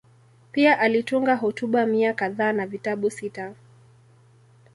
Pia alitunga hotuba mia kadhaa na vitabu sita.